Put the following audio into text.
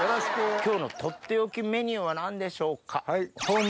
今日のとっておきメニューは何でしょうか？